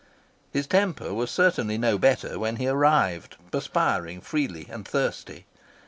His temper was certainly no better when he arrived, perspiring freely and thirsty.